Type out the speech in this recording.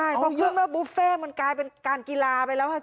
ใช่เพราะคุ้มว่าบุฟเฟต์มันกลายเป็นการกีฬาไปแล้วค่ะ